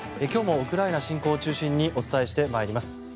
今日もウクライナ侵攻を中心にお伝えしてまいります。